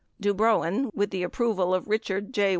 Dubrowin, with the approcal of Richard J.